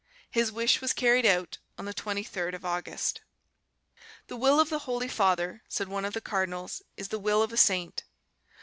His wish was carried out on the 23rd of August. "The will of the Holy Father," said one of the cardinals, "is the will of a saint."